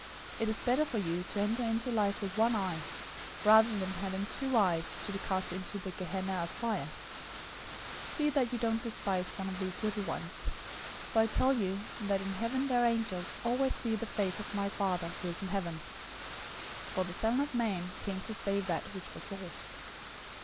It is better for you to enter into life with one eye, rather than having two eyes to be cast into the Gehenna{or, Hell} of fire. 018:010 See that you don't despise one of these little ones, for I tell you that in heaven their angels always see the face of my Father who is in heaven. 018:011 For the Son of Man came to save that which was lost.